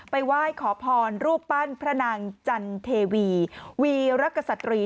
ไหว้ขอพรรูปปั้นพระนางจันเทวีวีรกษัตรี